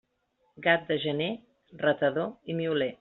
Gat de gener, ratador i mioler.